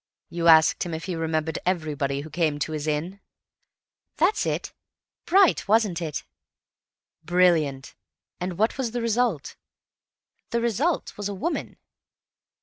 "You asked him if he remembered everybody who came to his inn?" "That's it. Bright, wasn't it?" "Brilliant. And what was the result?" "The result was a woman."